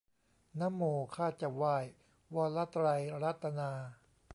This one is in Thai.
นะโมข้าจะไหว้ วระไตรระตะนา